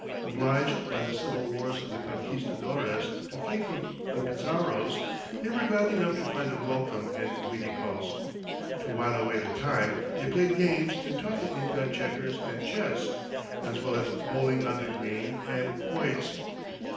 Obliged by the civil wars of the conquistadores to flee from the Pizarros, they were glad enough to find a welcome in Uiticos. To while away the time they played games and taught the Inca checkers and chess, as well as bowling on the green and quoits.